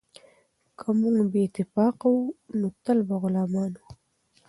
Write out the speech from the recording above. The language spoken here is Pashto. که موږ بې اتفاقه وو نو تل به غلامان وو.